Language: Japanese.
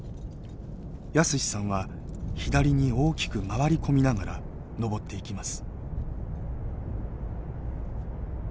泰史さんは左に大きく回り込みながら登っていきます。